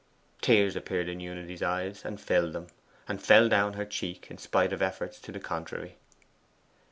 Tears appeared in Unity's eyes, and filled them, and fell down her cheek, in spite of efforts to the contrary.